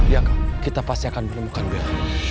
iya kak kita pasti akan menemukan bella